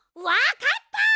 わかった！